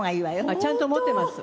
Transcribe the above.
ちゃんと持っています。